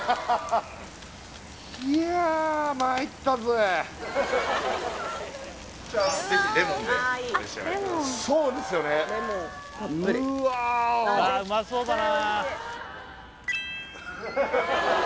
いやあまいったぜこちらはぜひレモンでお召し上がりくださいそうですよねうわあんだよね